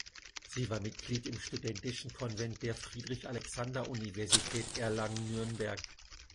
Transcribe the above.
Sie war Mitglied im studentischen Konvent der Friedrich-Alexander-Universität Erlangen-Nürnberg.